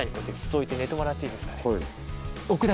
置いて寝てもらっていいですかね。